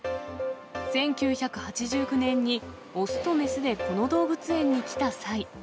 １９８９年に、雄と雌でこの動物園に来たサイ。